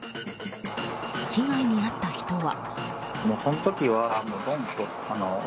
被害に遭った人は。